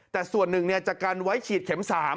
แต่ส่วนหนึ่งจะกันไว้ฉีดเข็ม๓